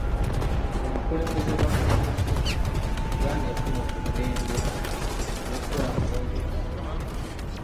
Mu bukulembeze bwa Mwami Museveni, Uganda efunye ku dembe n'okula kw'ebyenfuna